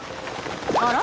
あら？